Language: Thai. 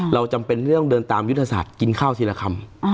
จำเป็นเรื่องเดินตามยุทธศาสตร์กินข้าวทีละคำ